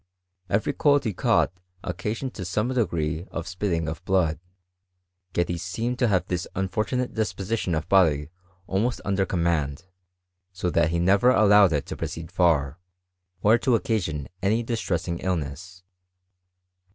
Every cold he caught occasioned some degree of spitting of blood ; yet he seemed to bave this unfortunate disposition of body almost under command, so that he never allowed it to proceed far, <Mr to occasion any distressing illness.